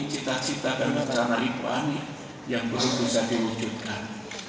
cita cita dan rencana ibu ani yang baru bisa diwujudkan